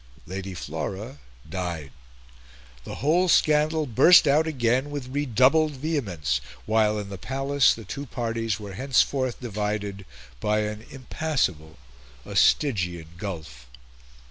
Lady Flora died. The whole scandal burst out again with redoubled vehemence; while, in the Palace, the two parties were henceforth divided by an impassable, a Stygian, gulf.